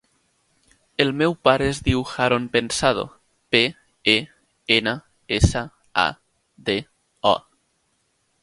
El meu pare es diu Haron Pensado: pe, e, ena, essa, a, de, o.